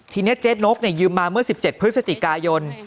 ทีนี้เจ๊นกยืมมาเมื่อ๑๗พฤศจิกายน